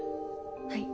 はい。